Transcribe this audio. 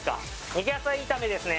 肉野菜炒めですね